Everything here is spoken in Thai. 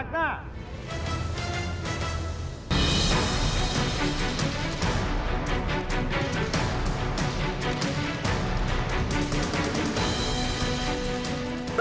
สุวิทย์ตีสากหน้า